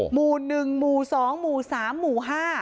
หมู่หนึ่งหมู่สองหมู่สามหมู่ห้า